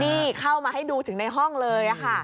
นี่เข้ามาให้ดูถึงในห้องเลยค่ะ